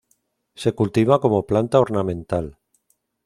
Se cultiva como planta ornamental.